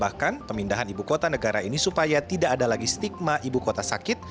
bahkan pemindahan ibu kota negara ini supaya tidak ada lagi stigma ibu kota sakit